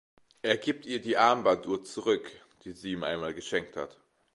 Er gibt ihr die Armbanduhr zurück, die sie ihm einmal geschenkt hat.